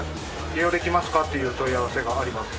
利用できますかという問い合わせがあります。